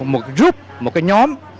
một group một cái nhóm